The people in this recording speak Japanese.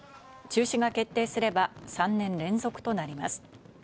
中止が決定すれば３年連続となります。